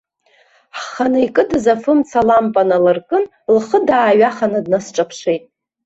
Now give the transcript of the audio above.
Ҳханы икыдыз афымца лампа налыркын, лхы дааҩаханы, днасҿаԥшит.